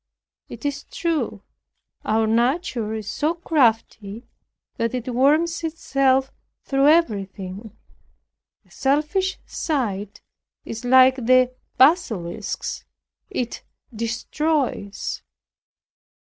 It is true, our nature is so crafty that it worms itself through everything; a selfish sight is like the basilisk's, it destroys.